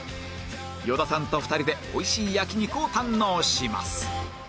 与田さんと２人で美味しい焼肉を堪能します